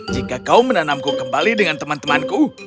jika kau menanamku kembali dengan teman temanku